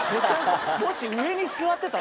もし上に座ってたら。